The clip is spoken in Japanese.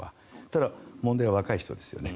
ただ、問題は若い人ですよね。